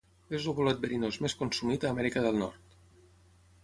És el bolet verinós més consumit a Amèrica del Nord.